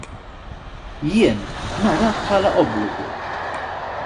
Jien narah bħala obbligu.